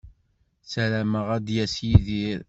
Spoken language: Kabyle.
Ssarameɣ ad d-yas Yidir.